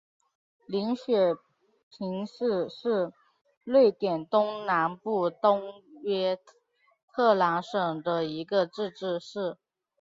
林雪平市是瑞典东南部东约特兰省的一个自治市。